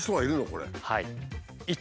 はい。